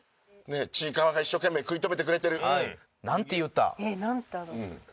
ちいかわが一生懸命食い止めてくれてる。